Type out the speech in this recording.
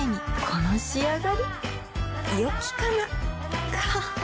この仕上がりよきかなははっ